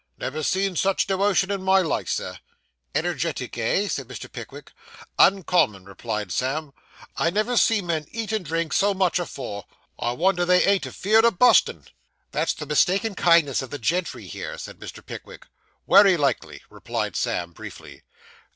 'Never see such dewotion in my life, Sir.' 'Energetic, eh?' said Mr. Pickwick. 'Uncommon,' replied Sam; 'I never see men eat and drink so much afore. I wonder they ain't afeer'd o' bustin'.' 'That's the mistaken kindness of the gentry here,' said Mr. Pickwick. 'Wery likely,' replied Sam briefly.